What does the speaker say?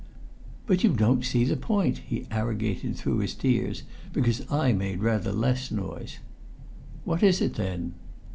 "But you don't see the point!" he arrogated through his tears, because I made rather less noise. "What is it, then?"